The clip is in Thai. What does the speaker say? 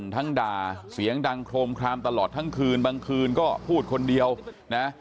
ท่านก็เล่าให้ฟังว่าเหตุการณ์เป็นยังไงนะครับคุณผู้ชมครับ